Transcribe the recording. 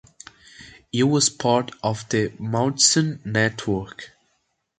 It was part of the Mauthausen network.